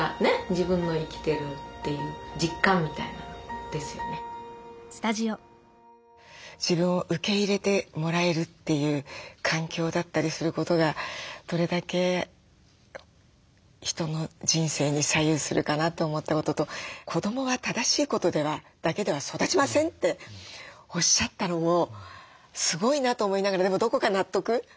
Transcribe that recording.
生きがいでもないけど自分を受け入れてもらえるという環境だったりすることがどれだけ人の人生に左右するかなと思ったことと「子どもは正しいことだけでは育ちません」っておっしゃったのもすごいなと思いながらでもどこか納得。